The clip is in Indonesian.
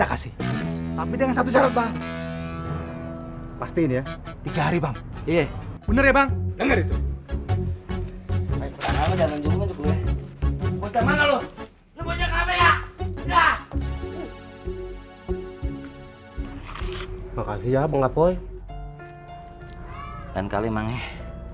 kami sudah berusaha dengan semangat